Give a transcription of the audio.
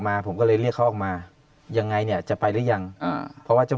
มาผมก็เลยเรียกเขาออกมายังไงเนี่ยจะไปหรือยังอ่าเพราะว่าเจ้า